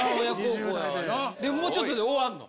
・２０代で・もうちょっとで終わんの？